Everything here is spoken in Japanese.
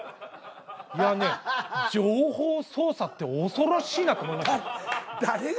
もうね情報操作って恐ろしいなと思いましたよ。